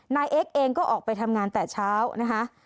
นายเอ็กซเองก็ออกไปทำงานแต่เช้านะคะ